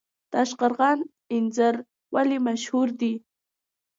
تاشقرغان انځر ولې مشهور دي؟